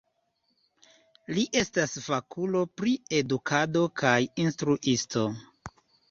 Li estas fakulo pri edukado kaj instruisto.